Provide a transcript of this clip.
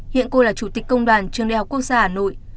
hiện cô là chủ tịch công đoàn trường đại học quốc gia hà nội